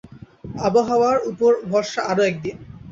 আবহাওয়ার উপর ভরসা আরও একদিন।